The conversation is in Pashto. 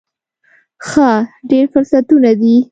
ښه، ډیر فرصتونه دي